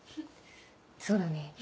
そうだね。